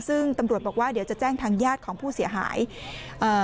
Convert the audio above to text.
ซึ่งตำรวจบอกว่าเดี๋ยวจะแจ้งทางญาติของผู้เสียหายเอ่อ